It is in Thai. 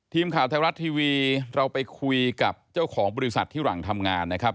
ทีมข่าวไทยรัฐทีวีเราไปคุยกับเจ้าของบริษัทที่หลังทำงานนะครับ